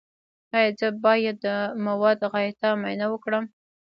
ایا زه باید د مواد غایطه معاینه وکړم؟